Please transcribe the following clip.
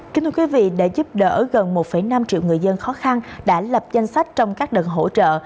kính thưa quý vị để giúp đỡ gần một năm triệu người dân khó khăn đã lập danh sách trong các đợt hỗ trợ